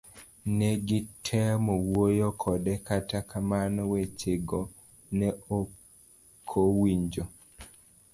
Negitemo wuoyo kode kata kamano wechego ne okowinjo.